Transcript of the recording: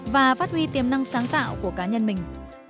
và phát huy tiềm năng sáng tạo của cá nhân mình